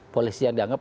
polisi yang dianggap